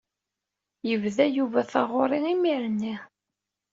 Yebda Yuba taɣuṛi imir-nni.